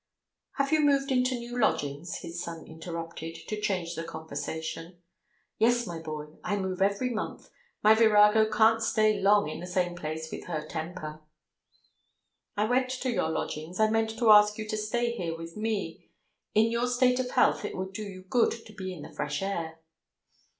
"Have you moved into new lodgings?" his son interrupted, to change the conversation. "Yes, my boy. I move every month. My virago can't stay long in the same place with her temper." "I went to your lodgings, I meant to ask you to stay here with me. In your state of health it would do you good to be in the fresh air."